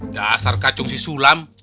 dasar kacung si sulam